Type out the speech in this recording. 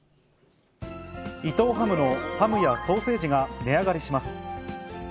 伊藤ハムのハムやソーセージが値上がりします。